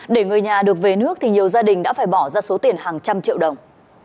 để người nhà được về nước thì nhiều gia đình đã phải bỏ ra số tiền hàng trăm triệu đồng